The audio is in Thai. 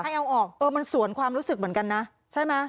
ให้เอาออกเออมันสวนความรู้สึกเหมือนกันนะใช่ไหม